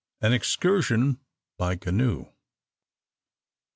AN EXCURSION BY CANOE.